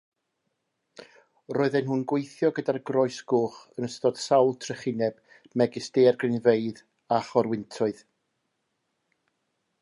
Roedden nhw'n gweithio gyda'r Groes Goch yn ystod sawl trychineb megis daeargrynfeydd a chorwyntoedd.